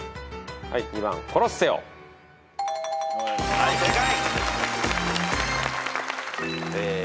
はい正解。